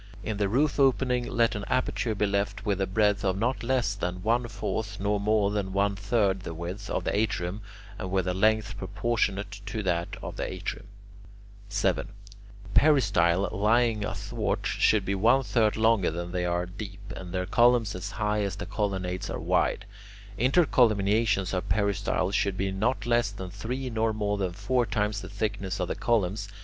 In the roof opening let an aperture be left with a breadth of not less than one fourth nor more than one third the width of the atrium, and with a length proportionate to that of the atrium. [Illustration: Photo. Sommer THE PERISTYLE OF THE HOUSE OF THE VETTII AT POMPEII] 7. Peristyles, lying athwart, should be one third longer than they are deep, and their columns as high as the colonnades are wide. Intercolumniations of peristyles should be not less than three nor more than four times the thickness of the columns.